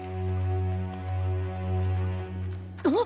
あっ！